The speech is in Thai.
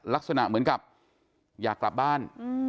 ลักษณะเหมือนกับอยากกลับบ้าน